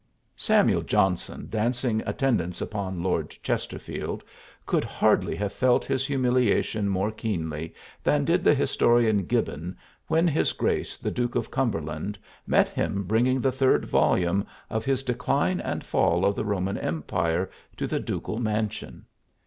Samuel Johnson, dancing attendance upon Lord Chesterfield, could hardly have felt his humiliation more keenly than did the historian Gibbon when his grace the Duke of Cumberland met him bringing the third volume of his "Decline and Fall of the Roman Empire" to the ducal mansion.